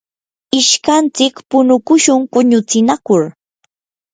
ishkantsik punukushun quñutsinakur.